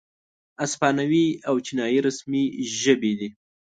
اسپانوي او چینایي رسمي ژبې دي.